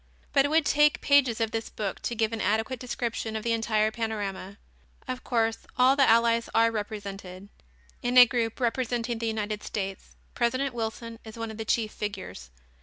But it would take pages of this book to give an adequate description of the entire panorama. Of course, all the allies are represented. In a group representing the United States, President Wilson is one of the chief figures.